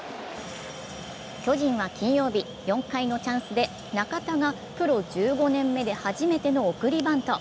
巨人は金曜日、４回のチャンスで中田がプロ１５年目で初めての送りバント。